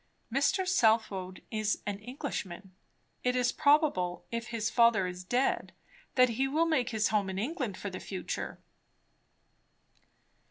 "Mr. Southwode is an Englishman. It is probable, if his father is dead, that he will make his home in England for the future."